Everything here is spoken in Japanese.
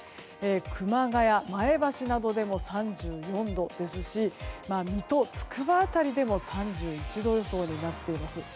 熊谷、前橋などでも３４度ですし水戸、つくば辺りでも３１度予想になっています。